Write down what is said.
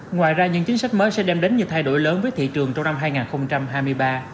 ngoài ra những chính sách mới sẽ đem đến những thay đổi lớn với thị trường trong năm hai nghìn hai mươi ba